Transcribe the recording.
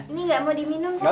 ini enggak mau diminum sat